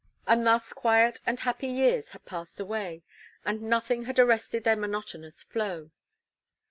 And thus quiet and happy years had passed away, and nothing had arrested their monotonous flow.